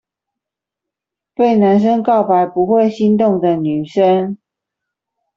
被男生告白不會心動的女生